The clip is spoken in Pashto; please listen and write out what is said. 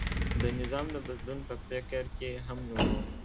د نظام د بدلون په فکر کې هم نه و.